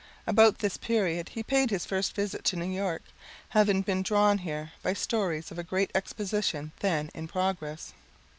About this period he paid his first visit to New York, having been drawn here by stories of a great exposition then in progress.